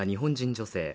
女性